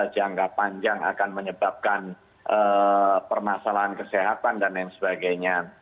jangka panjang akan menyebabkan permasalahan kesehatan dan lain sebagainya